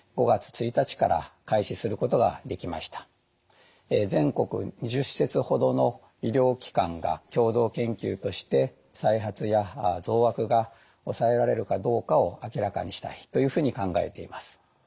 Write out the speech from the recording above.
この結果によって全国２０施設ほどの医療機関が共同研究として再発や増悪が抑えられるかどうかを明らかにしたいというふうに考えています。